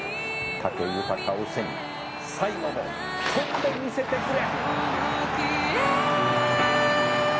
武豊を背に最後も飛んでみせてくれ！」